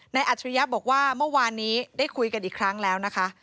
อัจฉริยะบอกว่าเมื่อวานนี้ได้คุยกันอีกครั้งแล้วนะคะ